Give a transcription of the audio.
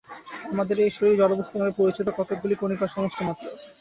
আমাদের এই শরীর জড়বস্তু নামে পরিচিত কতকগুলি কণিকার সমষ্টি মাত্র।